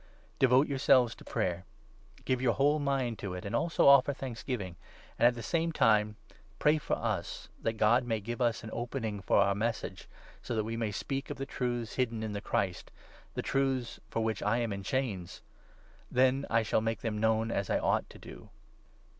Rule* tor Devote yourselves to prayer. Give your whole 2 Christian mind to it, and also offer thanksgiving ; and at 3 Life. the same time pray for us, that God may give us an opening for our Message, so that we may speak of the truths hidden in the Christ — the truths for which I am in chains ! Then I shall make them known, as I ought to 4 do.